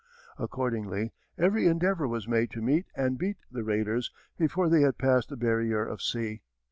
Accordingly every endeavour was made to meet and beat the raiders before they had passed the barrier of sea.